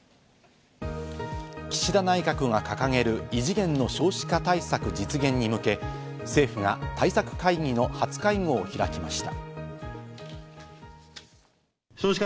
岸田内閣が掲げる異次元の少子化対策実現に向け、政府が対策会議の初会合を開きました。